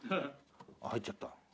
あっ入っちゃった。